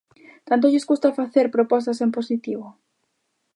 ¿Tanto lles custa facer propostas en positivo?